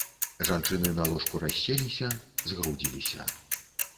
Жанчыны на ложку расселіся, згрудзіліся.